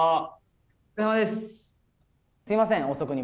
すみません、遅くに。